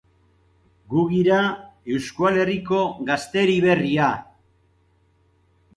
Lan honetan lortuko zuen gerora paperetara pasako zituen istorioen ezagutza.